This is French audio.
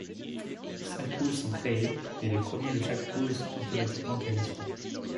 Cinq poules sont créées et les premiers de chaque poule sont automatiquement qualifiés.